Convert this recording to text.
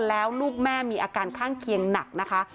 แล้วลูกแม่มีอาการข้างเคียงหนักนะคะ